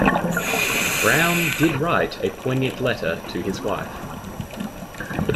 Brown did write a poignant letter to his wife.